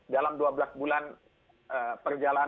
dalam dua belas bulan perjalanan